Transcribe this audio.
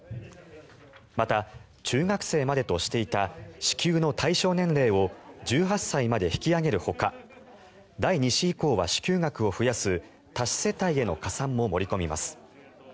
また、中学生までとしていた支給の対象年齢を１８歳まで引き上げるほか第２子以降は支給額を増やす多子世帯への加算も盛り込みます。